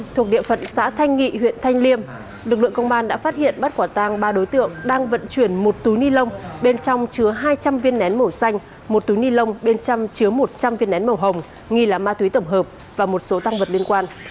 thuộc địa phận xã thanh nghị huyện thanh liêm lực lượng công an đã phát hiện bắt quả tang ba đối tượng đang vận chuyển một túi ni lông bên trong chứa hai trăm linh viên nén màu xanh một túi ni lông bên trong chứa một trăm linh viên nén màu hồng nghi là ma túy tổng hợp và một số tăng vật liên quan